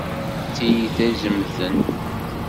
D tiyita izemten.